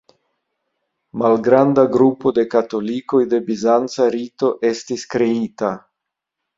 Malgranda grupo de katolikoj de bizanca rito estis kreita.